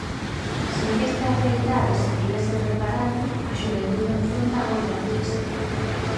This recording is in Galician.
Sen que esta realidade se tivese reparada, a xuventude enfronta outra crise.